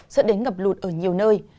dẫn đến ngập lụt ở nhiều nơi